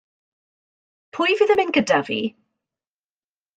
Pwy fydd yn mynd gyda fi?